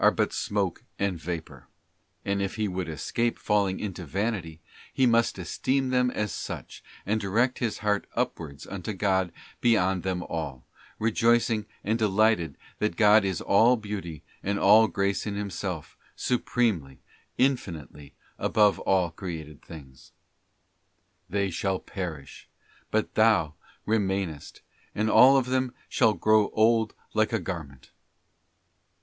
BOOK but smoke and vapour; and if he would escape falling into vanity, he must esteem them as such, and direct his heart God the upwards unto God beyond them all, rejoicing and delighted Beauty. that God is all Beauty and all Grace in Himself, supremely, infinitely, above all created things. 'They shall perish, but Thou remainest, and all of them shall grow old like a gar ment.